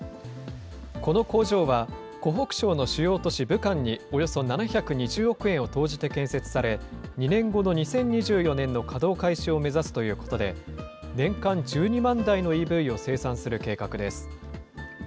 この工場は、湖北省の主要都市、武漢に、およそ７２０億円を投じて建設され、２年後の２０２４年の稼働開始を目指すということで、年間１２万台のＥＶを生産する計画です。